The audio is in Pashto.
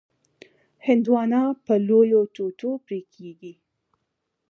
هندوانه په لویو ټوټو پرې کېږي.